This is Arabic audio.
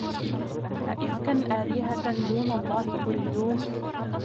أَئِفْكًا آلِهَةً دُونَ اللَّهِ تُرِيدُونَ